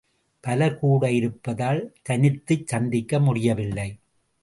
பலர் கூட இருப்பதால் தனித்துச் சந்திக்க முடியவில்லை.